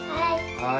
はい。